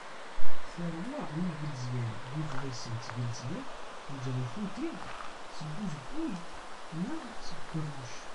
Tirwaɣ n yiglezyam d yifḍisen d teglezyam neǧǧren-tent-id seg uzebbuj neɣ seg ukerruc.